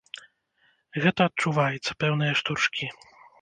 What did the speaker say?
Гэта адчуваецца, пэўныя штуршкі.